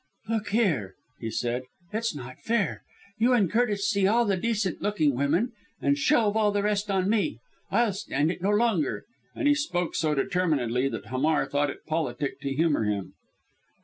"Look here," he said, "it's not fair. You and Curtis see all the decent looking women and shelve all the rest on me. I'll stand it no longer." And he spoke so determinedly, that Hamar thought it politic to humour him.